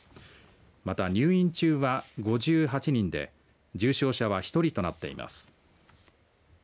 また、入院中は５８人で重症者は１人となっています。